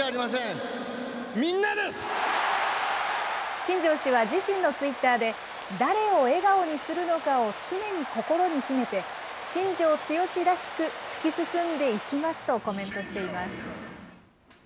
新庄氏は自身のツイッターで、誰を笑顔にするのかを常に心に秘めて、新庄剛志らしく突き進んで生きます！とコメントしています。